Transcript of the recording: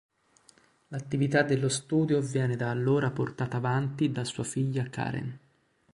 L'attività dello studio viene da allora portata avanti da sua figlia Karen.